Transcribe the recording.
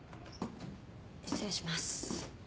失礼します。